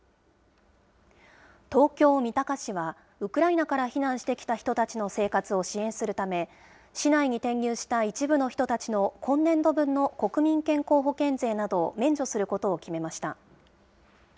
東京・三鷹市は、ウクライナから避難してきた人たちの生活を支援するため、市内に転入した一部の人たちの今年度分の国民健康保険税などを免除することを決めました。